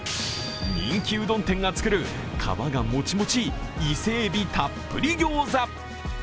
人気うどん店が作る皮がもちもち、伊勢海老たっぷり餃子。